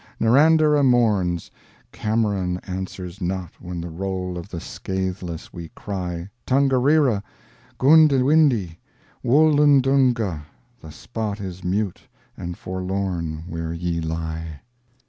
Narrandera mourns, Cameron answers not When the roll of the scathless we cry Tongariro, Goondiwindi, Woolundunga, the spot Is mute and forlorn where ye lie.